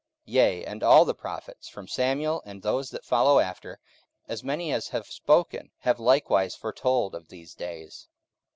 44:003:024 Yea, and all the prophets from Samuel and those that follow after, as many as have spoken, have likewise foretold of these days.